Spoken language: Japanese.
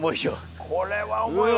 これは重いわ。